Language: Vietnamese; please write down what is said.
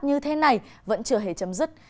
như thế này vẫn chưa hề chấm dứt